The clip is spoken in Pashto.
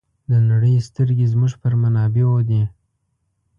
د نړۍ سترګې زموږ پر منابعو دي.